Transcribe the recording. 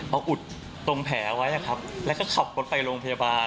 เอาอุดตรงแผลไว้แล้วก็ขับรถไปโรงพยาบาล